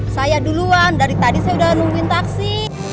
saya duluan dari tadi saya udah nungguin taksi